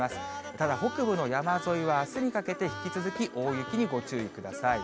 ただ北部の山沿いはあすにかけて引き続き、大雪にご注意ください。